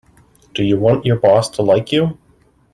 Do you want your boss to like you?